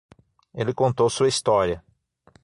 Ele contou sua história.